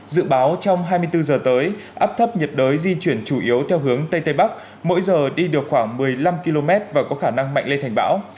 dự báo trong hai mươi bốn giờ tới áp thấp nhiệt đới di chuyển chủ yếu theo hướng tây tây bắc mỗi giờ đi được khoảng một mươi năm km và có khả năng mạnh lên thành bão